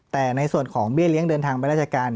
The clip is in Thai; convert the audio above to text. แต่ในส่วนของเบี้ยเลี้ยงเดินทางไปราชการ